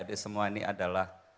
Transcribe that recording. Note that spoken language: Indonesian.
adik adik semua ini adalah